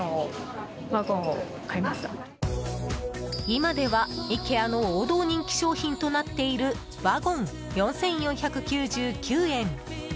今では、イケアの王道人気商品となっているワゴン、４４９９円。